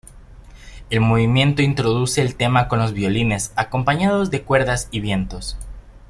El movimiento introduce el tema con los violines acompañados de cuerdas y vientos.